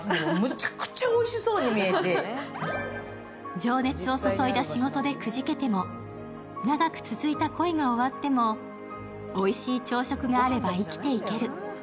情熱を注いだ仕事でくじけても、長く続いた恋が終わっても、おいしい朝食があれば生きていける。